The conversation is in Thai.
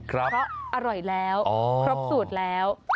เพราะอร่อยแล้วครบสูตรแล้ว